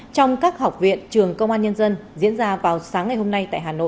trong các học viện trường công an nhân dân diễn ra vào sáng ngày hôm nay tại hà nội